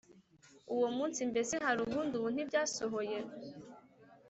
Uwo munsi mbese hari ubundi ubu ntibyasohoye